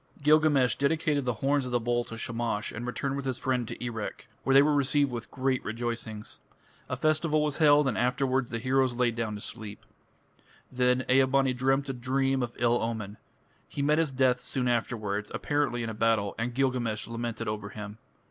Gilgamesh dedicated the horns of the bull to Shamash and returned with his friend to Erech, where they were received with great rejoicings. A festival was held, and afterwards the heroes lay down to sleep. Then Ea bani dreamt a dream of ill omen. He met his death soon afterwards, apparently in a battle, and Gilgamesh lamented over him.